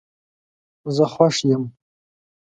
زه خوش یم